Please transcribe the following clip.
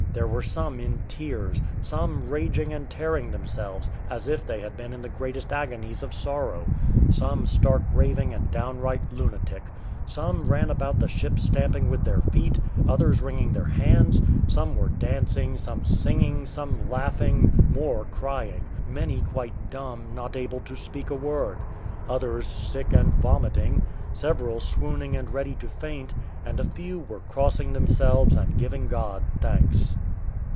There were some in tears; some raging and tearing themselves, as if they had been in the greatest agonies of sorrow; some stark raving and downright lunatic; some ran about the ship stamping with their feet, others wringing their hands; some were dancing, some singing, some laughing, more crying, many quite dumb, not able to speak a word; others sick and vomiting; several swooning and ready to faint; and a few were crossing themselves and giving God thanks.